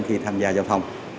khi tham gia giao thông